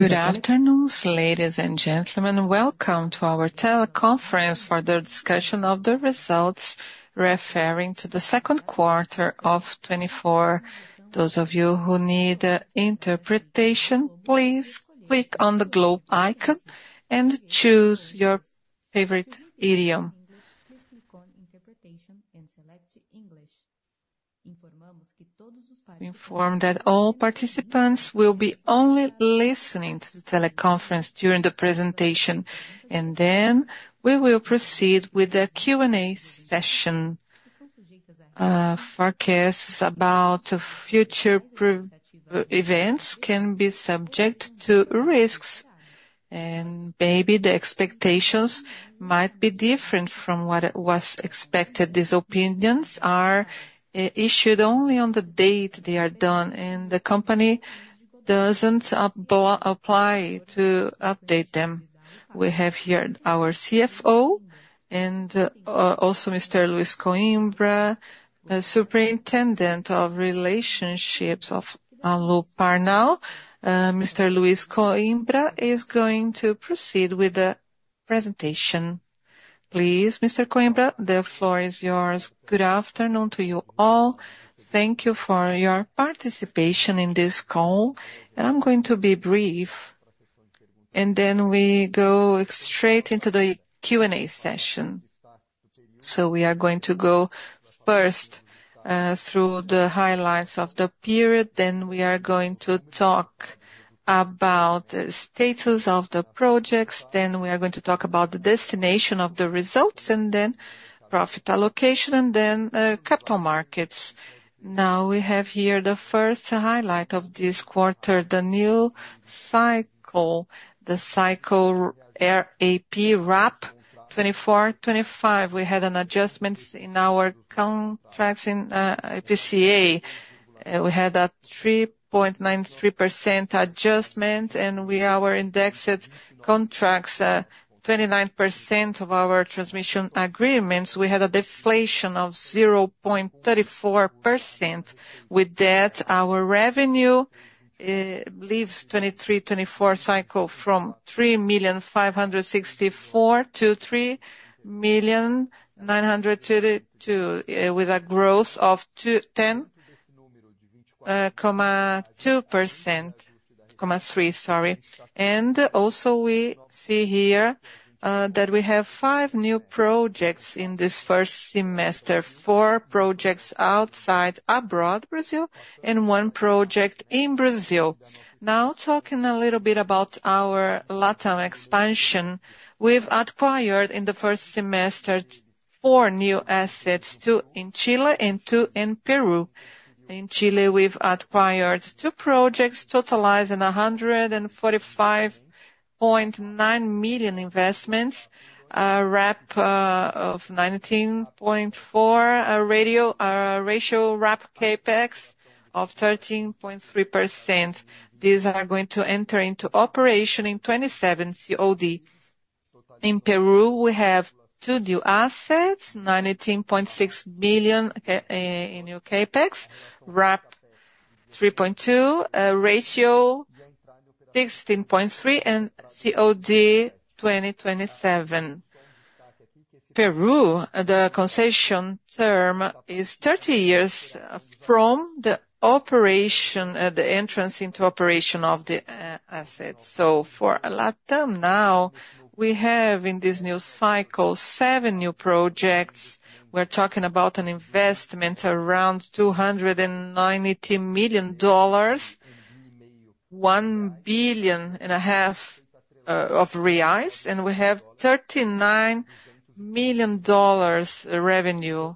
Good afternoon, ladies and gentlemen. Welcome to our teleconference for the discussion of the results referring to the second quarter of 2024. Those of you who need interpretation, please click on the globe icon and choose your favorite language. We inform that all participants will be only listening to the teleconference during the presentation, and then we will proceed with the Q&A session. Forecasts about future events can be subject to risks, and maybe the expectations might be different from what was expected. These opinions are issued only on the date they are done, and the company doesn't apply to update them. We have here our CFO and also Mr. Luiz Coimbra, Superintendent of Investor Relations of Alupar. Mr. Luiz Coimbra is going to proceed with the presentation. Please, Mr. Coimbra, the floor is yours. Good afternoon to you all. Thank you for your participation in this call. I'm going to be brief, and then we go straight into the Q&A session. So we are going to go first through the highlights of the period, then we are going to talk about the status of the projects, then we are going to talk about the destination of the results, and then profit allocation, and then capital markets. Now, we have here the first highlight of this quarter, the new cycle, the Cycle RAP 2024-2025. We had adjustments in our contracts in IPCA. We had a 3.93% adjustment, and we, our indexed contracts, 29% of our transmission agreements, we had a deflation of 0.34%. With that, our revenue leaves 2023-2024 cycle from 3.564 million-3.932 million with a growth of 10.3%. Also, we see here that we have five new projects in this first semester. Four projects outside, abroad Brazil, and one project in Brazil. Now, talking a little bit about our Latam expansion. We've acquired, in the first semester, four new assets, two in Chile and two in Peru. In Chile, we've acquired two projects totaling $145.9 million investments, RAP of 19.4 million, a ratio RAP Capex of 13.3%. These are going to enter into operation in 2027 COD. In Peru, we have two new assets, 19.6 billion in new CapEx, RAP 3.2, ratio 16.3, and COD 2027. Peru, the concession term is 30 years from the operation, the entrance into operation of the assets. So for Latam now, we have in this new cycle, seven new projects. We're talking about an investment around $290 million, 1.5 billion of reais, and we have $39 million revenue.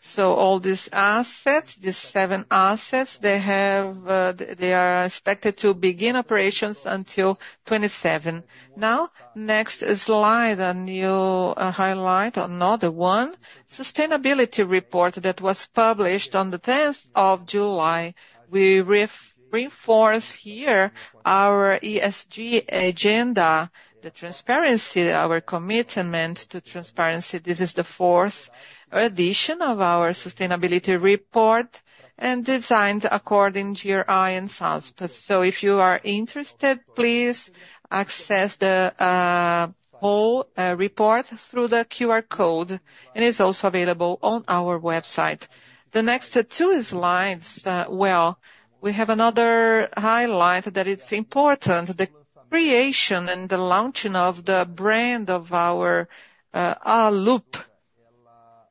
So all these assets, these seven assets, they have, they are expected to begin operations until 2027. Now, next slide, a new highlight, another one. Sustainability report that was published on the tenth of July. We reinforce here our ESG agenda, the transparency, our commitment to transparency. This is the fourth edition of our sustainability report and designed according to GRI and SASB. So if you are interested, please access the whole report through the QR code, and it's also available on our website. The next two slides, well, we have another highlight that it's important, the creation and the launching of the brand of Alup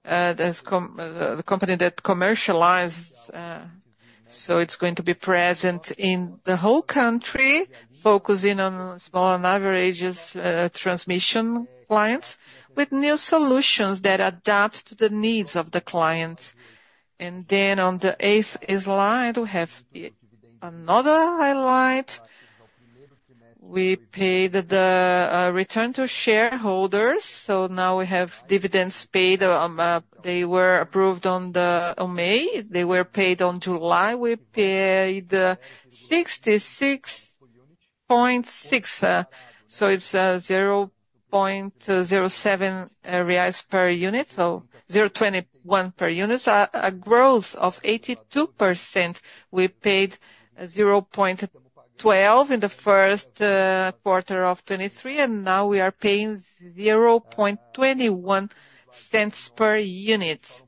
the company that commercialize, so it's going to be present in the whole country, focusing on small and averages transmission clients with new solutions that adapt to the needs of the clients. And then on the eighth slide, we have another highlight. We paid the return to shareholders, so now we have dividends paid. They were approved on the on May. They were paid on July. We paid 66.6, so it's a 0.07 reais per unit, so 0.21 per unit, so a growth of 82%. We paid 0.12 in the first quarter of 2023, and now we are paying 0.21 per unit.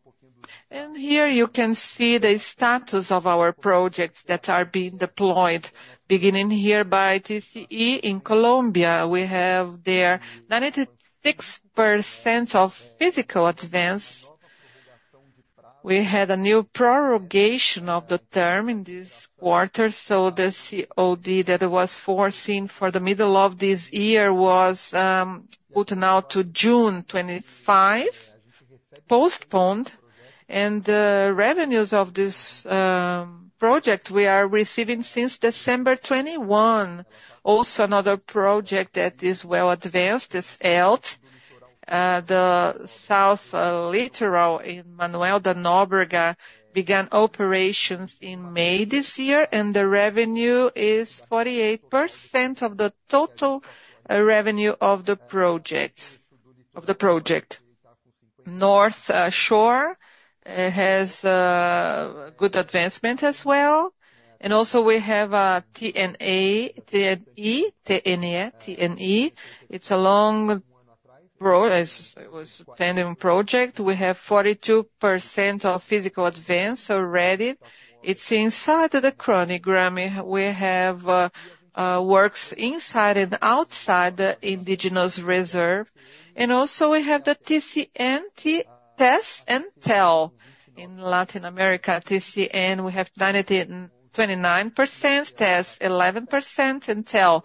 Here you can see the status of our projects that are being deployed, beginning here by TCE in Colombia. We have there 96% of physical advance. We had a new prorogation of the term in this quarter, so the COD that was foreseen for the middle of this year was put now to June 2025, postponed, and revenues of this project we are receiving since December 2021. Also, another project that is well advanced is ELTE. The South Litoral in Manoel da Nóbrega began operations in May this year, and the revenue is 48% of the total revenue of the projects of the project. North Shore has good advancement as well. Also we have TNE. It's a long road. It was a tandem project. We have 42% of physical advance already. It's inside of the chronogram. We have works inside and outside the indigenous reserve. Also we have the TCN, TES and TEL. In Latin America, TCN, we have 92.9%, TES 11% and TEL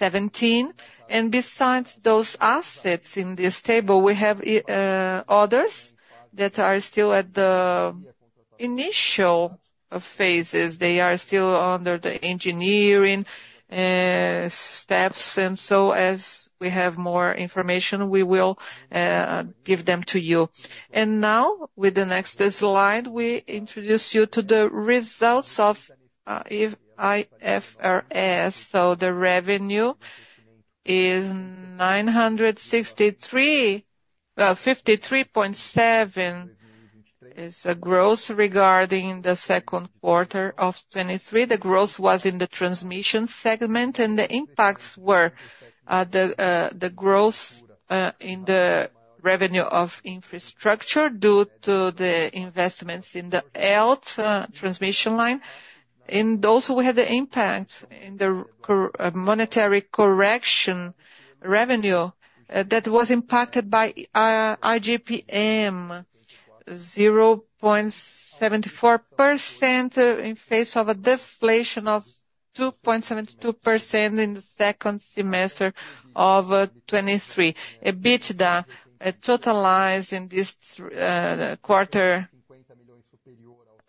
17%. Besides those assets in this table, we have others that are still at the initial phases. They are still under the engineering steps, and so as we have more information, we will give them to you. With the next slide, we introduce you to the results of IFRS. The revenue is 963.53 million, which is a growth regarding the second quarter of 2023. The growth was in the transmission segment, and the impacts were the growth in the revenue of infrastructure due to the investments in the ELTE transmission line. Also, we had the impact in the monetary correction revenue that was impacted by IGPM, 0.74%, in face of a deflation of 2.72% in the second semester of 2023. EBITDA totalized in this quarter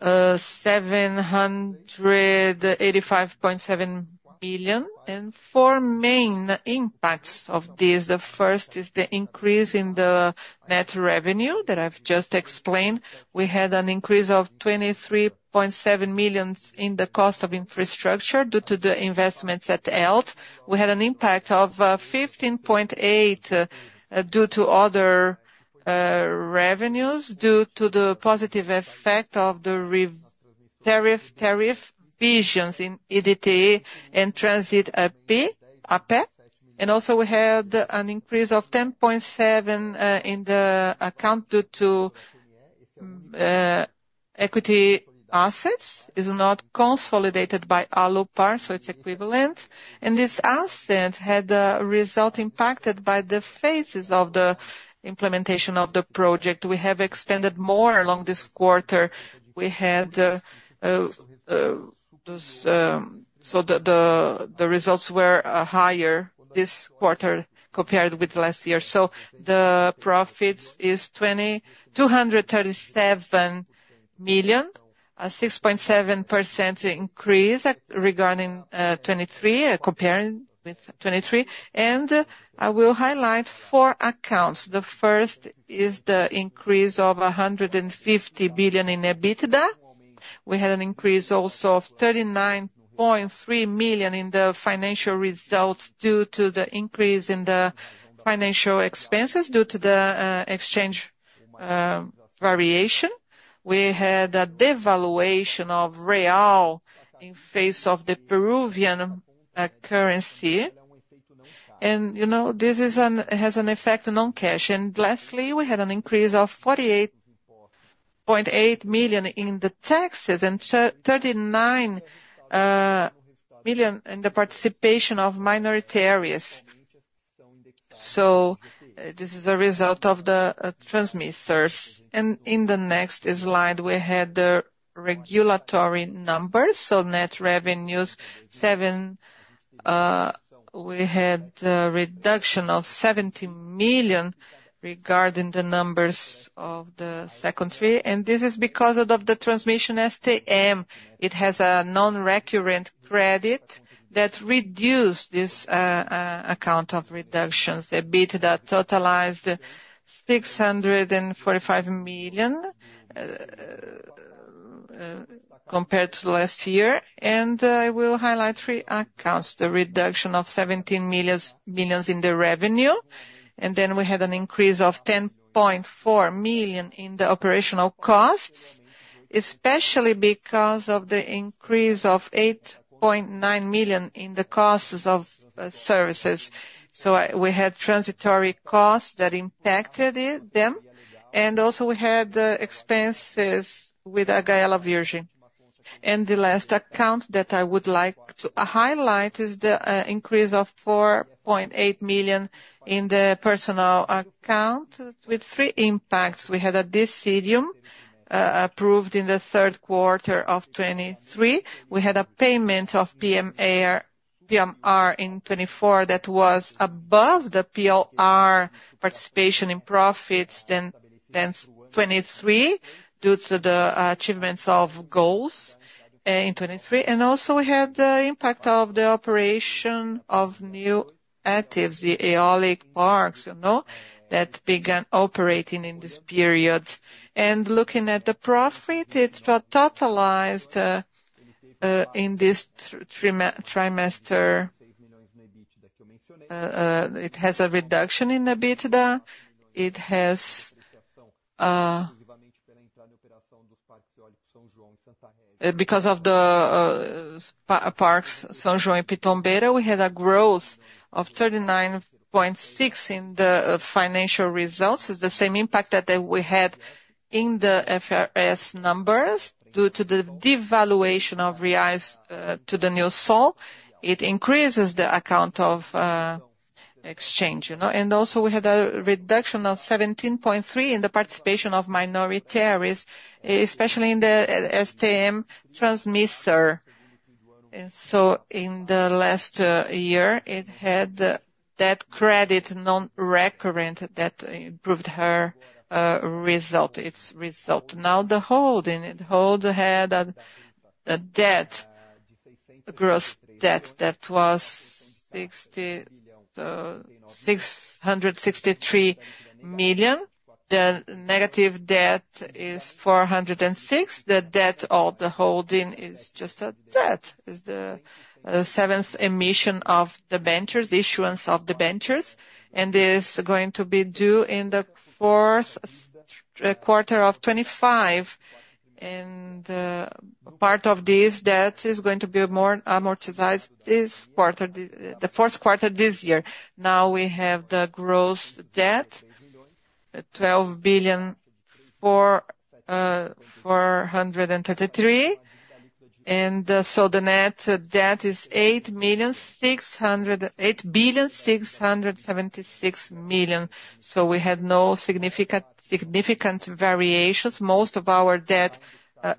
785.7 million. Four main impacts of this. The first is the increase in the net revenue that I've just explained. We had an increase of 23.7 million in the cost of infrastructure due to the investments at ELTE. We had an impact of 15.8 million due to other revenues, due to the positive effect of the tariff revisions in EBTE and Transirapé. And also we had an increase of 10.7 million in the account due to equity assets. Is not consolidated by other parts, so it's equivalent. And this asset had a result impacted by the phases of the implementation of the project. We have expanded more along this quarter. We had those. So the results were higher this quarter compared with last year. So the profits is 2,237 million, a 6.7% increase regarding 2023, comparing with 2023. I will highlight four accounts. The first is the increase of 150 billion in EBITDA. We had an increase also of 39.3 million in the financial results due to the increase in the financial expenses due to the exchange variation. We had a devaluation of the real in face of the Peruvian currency. And, you know, this has an effect on non-cash. And lastly, we had an increase of 48.8 million in the taxes and 39 million in the participation of minorities. So this is a result of the transmitters. And in the next slide, we had the regulatory numbers. So net revenues. We had a reduction of 70 million regarding the numbers of the second quarter, and this is because of the transmission STN. It has a non-recurrent credit that reduced this account of reductions. EBITDA totalized 645 million compared to last year, and I will highlight three accounts: the reduction of 17 million in the revenue, and then we had an increase of 10.4 million in the operational costs, especially because of the increase of 8.9 million in the costs of services. So, we had transitory costs that impacted them, and also we had expenses with La Virgen. And the last account that I would like to highlight is the increase of 4.8 million in the personal account with three impacts. We had a decision approved in the third quarter of 2023. We had a payment of PMR in 2024 that was above the PLR participation in profits than 2023, due to the achievements of goals in 2023. And also, we had the impact of the operation of new assets, the aeolic parks, you know, that began operating in this period. And looking at the profit, it totalized in this trimester. It has a reduction in EBITDA. It has, because of the parks, São João and Pitombeira, we had a growth of 39.6 in the financial results. It's the same impact that we had in the IFRS numbers, due to the devaluation of reais to the new sol. It increases the account of, exchange, you know, and also we had a reduction of 17.3 in the participation of minorities, especially in the, TSM transmitter. And so in the last, year, it had, that credit non-recurrent that improved her, result, its result. Now, the holding. It- hold had a, a debt, a gross debt that was 663 million. The negative debt is 406 million. The debt of the holding is just a debt, is the, seventh emission of the ventures, the issuance of the ventures, and is going to be due in the fourth, quarter of 2025. And, part of this debt is going to be more amortized this quarter, the, the fourth quarter this year. Now we have the gross debt 12,433 million, and so the net debt is 8,676 million. So we had no significant, significant variations. Most of our debt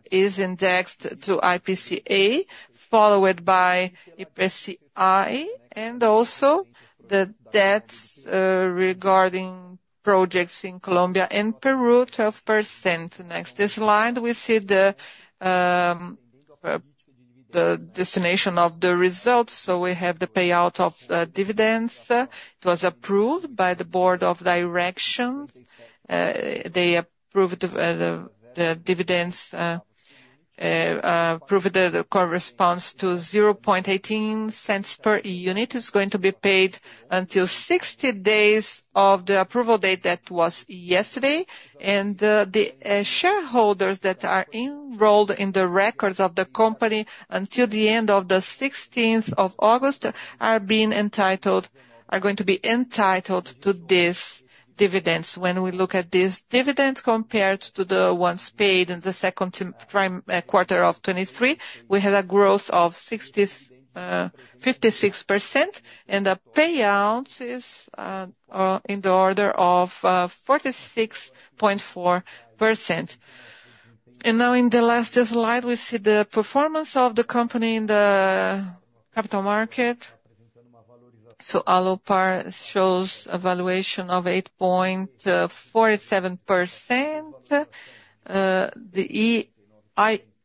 is indexed to IPCA, followed by IGPM, and also the debts regarding projects in Colombia and Peru, 12%. Next, this slide, we see the destination of the results. So we have the payout of dividends. It was approved by the board of directors. They approved the dividends approved the corresponds to 0.18 per unit, is going to be paid until 60 days of the approval date. That was yesterday. The shareholders that are enrolled in the records of the company until the end of the sixteenth of August are going to be entitled to these dividends. When we look at this dividend compared to the ones paid in the second quarter of 2023, we had a growth of 56%, and the payout is in the order of 46.4%. Now in the last slide, we see the performance of the company in the capital market. Alupar shows a valuation of 8.47%. The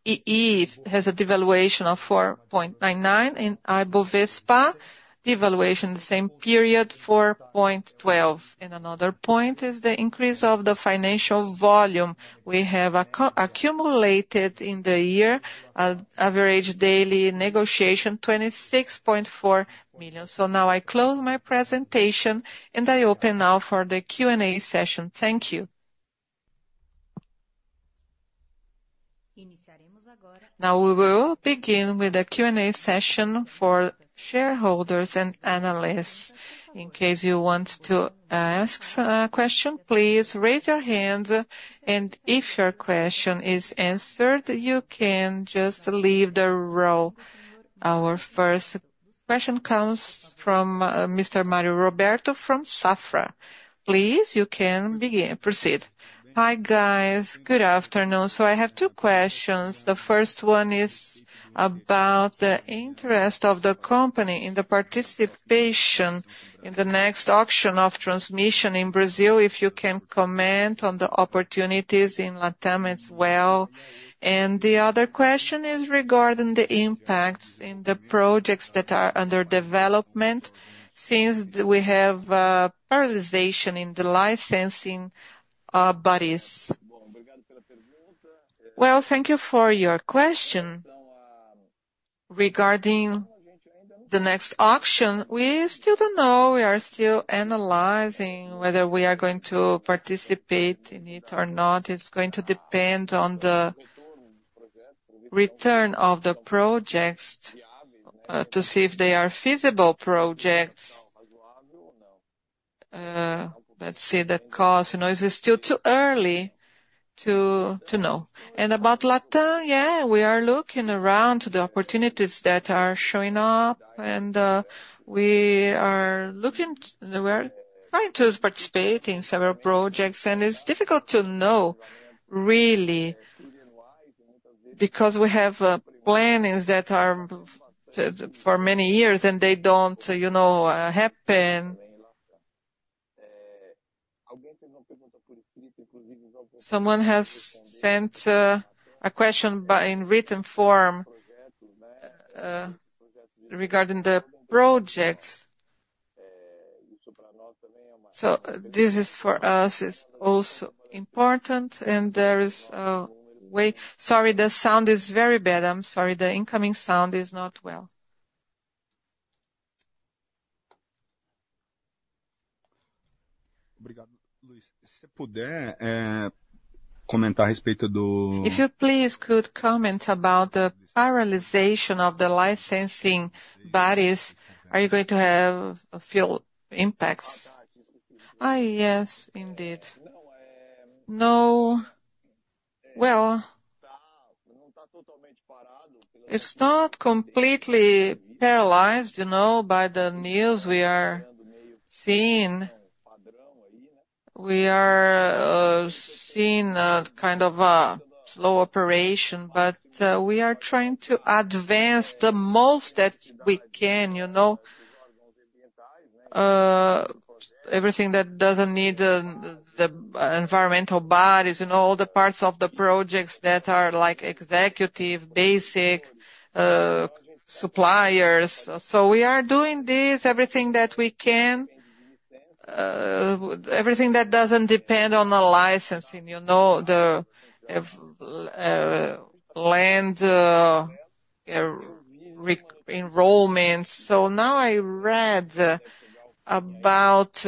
IEE has a devaluation of 4.99%, and IBovespa devaluation, the same period, 4.12%. Another point is the increase of the financial volume we have accumulated in the year, an average daily negotiation, 26.4 million. So now I close my presentation, and I open now for the Q&A session. Thank you. Now we will begin with a Q&A session for shareholders and analysts. In case you want to ask, question, please raise your hand, and if your question is answered, you can just leave the row. Our first question comes from, Mr. Mário Roberto from Safra. Please, you can begin, proceed. Hi, guys. Good afternoon. So I have two questions. The first one is about the interest of the company in the participation in the next auction of transmission in Brazil. If you can comment on the opportunities in Latam as well. And the other question is regarding the impacts in the projects that are under development since we have, paralyzation in the licensing, bodies. Well, thank you for your question. Regarding the next auction, we still don't know. We are still analyzing whether we are going to participate in it or not. It's going to depend on the return of the projects to see if they are feasible projects. Let's see the cost, you know, it's still too early to know. And about Latam, yeah, we are looking around to the opportunities that are showing up, and we are trying to participate in several projects, and it's difficult to know, really, because we have plannings that are for many years, and they don't, you know, happen. Someone has sent a question in written form regarding the projects. So this is for us, is also important and there is. Sorry, the sound is very bad. I'm sorry, the incoming sound is not well. If you please could comment about the paralyzation of the licensing bodies, are you going to have a few impacts? Yes, indeed. No, well, it's not completely paralyzed, you know, by the news we are seeing. We are seeing a kind of a slow operation, but we are trying to advance the most that we can, you know. Everything that doesn't need the environmental bodies, you know, all the parts of the projects that are like executive, basic, suppliers. So we are doing this, everything that we can, everything that doesn't depend on the licensing, you know, the land re-enrollment. So now I read about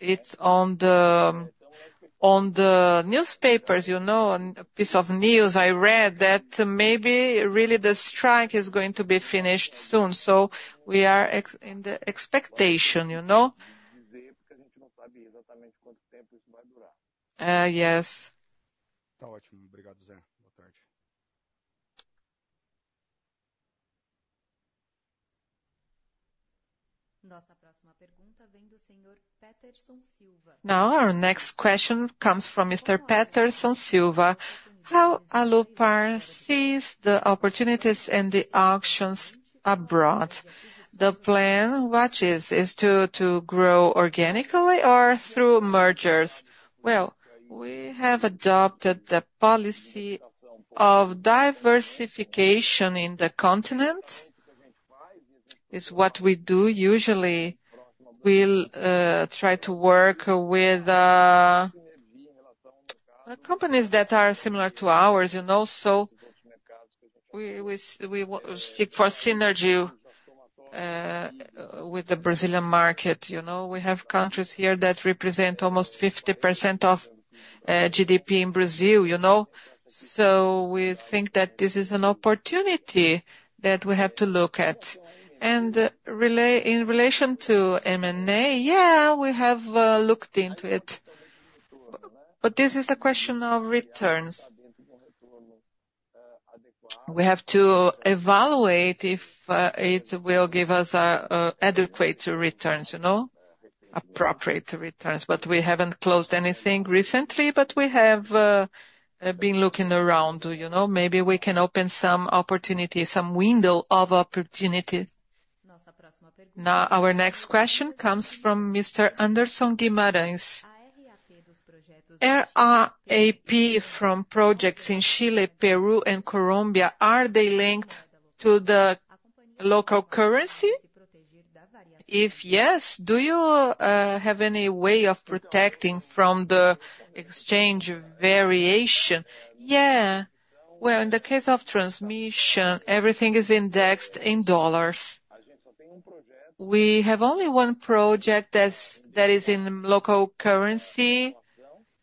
it on the newspapers, you know, on a piece of news I read that maybe really the strike is going to be finished soon. So we are in the expectation, you know? Yes. Now, our next question comes from Mr. Peterson Silva. How Alupar sees the opportunities and the auctions abroad? The plan, what is, is to grow organically or through mergers? Well, we have adopted the policy of diversification in the continent. Is what we do. Usually, we'll try to work with companies that are similar to ours, you know, so we seek for synergy with the Brazilian market. You know, we have countries here that represent almost 50% of GDP in Brazil, you know? So we think that this is an opportunity that we have to look at. And in relation to M&A, yeah, we have looked into it, but this is a question of returns. We have to evaluate if it will give us adequate returns, you know, appropriate returns, but we haven't closed anything recently, but we have been looking around, you know. Maybe we can open some opportunity, some window of opportunity. Now, our next question comes from Mr. Anderson Guimarães. RAP from projects in Chile, Peru and Colombia, are they linked to the local currency? If yes, do you have any way of protecting from the exchange variation? Yeah. Well, in the case of transmission, everything is indexed in dollars. We have only one project that's in local currency,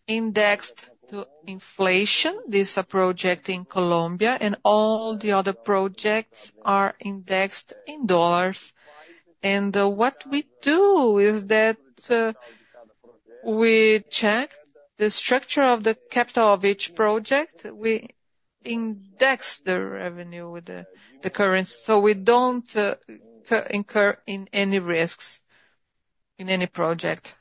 indexed to inflation. This is a project in Colombia, and all the other projects are indexed in dollars. And, what we do is that, we check the structure of the capital of each project. We index the revenue with the currency, so we don't incur in any risks in any project.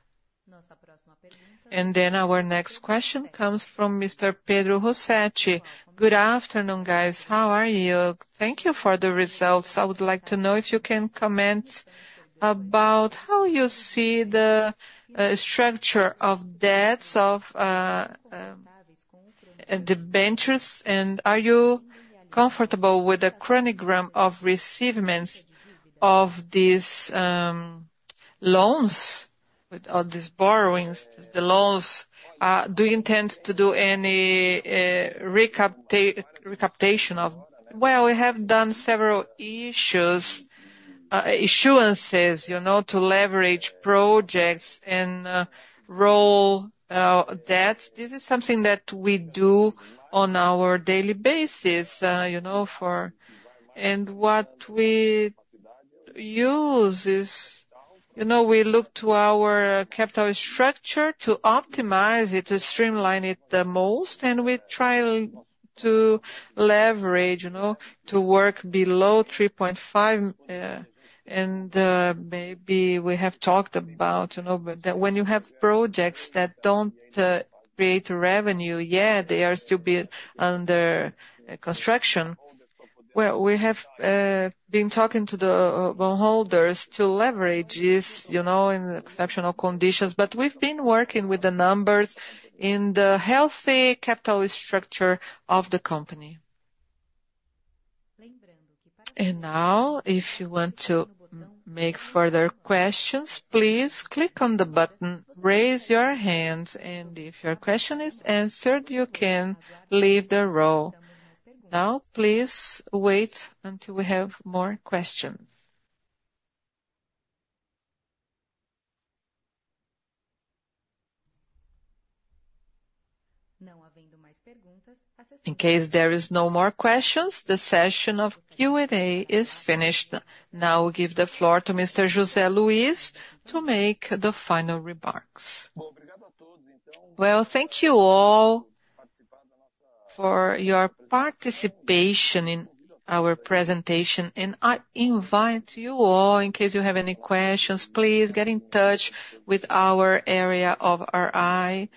And then our next question comes from Mr. Pedro Rosetti. Good afternoon, guys. How are you? Thank you for the results. I would like to know if you can comment about how you see the structure of debts of debentures, and are you comfortable with the chronogram of receivements of this loans, with all these borrowings, the loans, do you intend to do any recaptation of? Well, we have done several issues, issuances, you know, to leverage projects and roll debts. This is something that we do on our daily basis, you know. And what we use is, you know, we look to our capital structure to optimize it, to streamline it the most, and we try to leverage, you know, to work below 3.5. And maybe we have talked about, you know, but when you have projects that don't create revenue yet, they are still being under construction. Well, we have been talking to the holders to leverage this, you know, in exceptional conditions. But we've been working with the numbers in the healthy capital structure of the company. And now, if you want to make further questions, please click on the button, Raise Your Hand, and if your question is answered, you can leave the roll. Now, please wait until we have more questions. In case there is no more questions, the session of Q&A is finished. Now I'll give the floor to Mr. José Luiz to make the final remarks. Well, thank you all for your participation in our presentation, and I invite you all, in case you have any questions, please get in touch with our area of RI.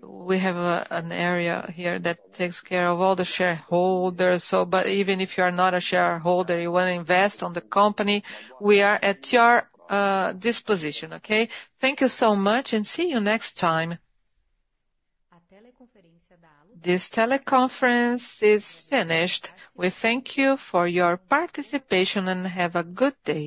We have an area here that takes care of all the shareholders, so, but even if you are not a shareholder, you want to invest on the company, we are at your disposition, okay? Thank you so much, and see you next time. This teleconference is finished. We thank you for your participation, and have a good day.